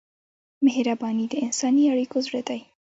مهرباني د انساني اړیکو زړه دی.